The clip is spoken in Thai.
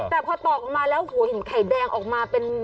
แต่พอตอกออกมาแล้วหัวหินไข่แดงออกมาเป็น